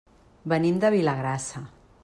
Venim de Vilagrassa.